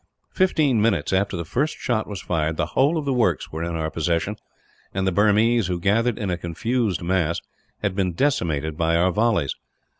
Fifteen minutes after the first shot was fired, the whole of the works were in our possession and the Burmese, who gathered in a confused mass, had been decimated by our volleys.